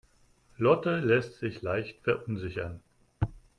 Lotte lässt sich leicht verunsichern.